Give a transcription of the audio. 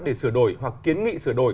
để sửa đổi hoặc kiến nghị sửa đổi